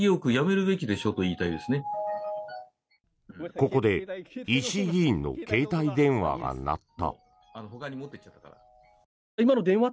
ここで石井議員の携帯電話が鳴った。